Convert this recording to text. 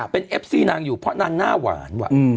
เป็นเอฟซี่นางอยู่เพราะนางหน้าหวานว่ะ